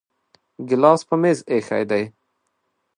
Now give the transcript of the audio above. ګلاس په میز ایښی دی